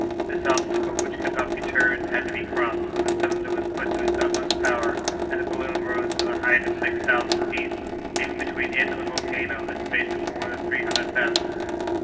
This obstacle, which could not be turned, had to be crossed, so the cylinder was put to its utmost power, and the balloon rose to the height of six thousand feet, leaving between it and the volcano a space of more than three hundred fathoms.